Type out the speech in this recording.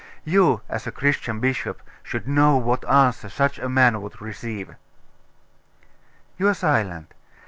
You, as a Christian bishop, should know what answer such a man would receive.... You are silent?